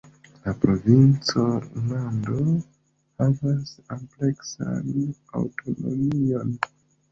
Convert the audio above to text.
La provinco Alando havas ampleksan aŭtonomion.